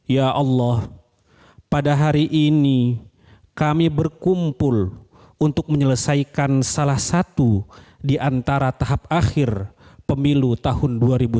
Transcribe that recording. ya allah pada hari ini kami berkumpul untuk menyelesaikan salah satu di antara tahap akhir pemilu tahun dua ribu sembilan belas